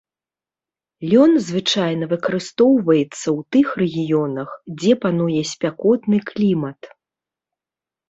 Лён звычайна выкарыстоўваецца ў тых рэгіёнах, дзе пануе спякотны клімат.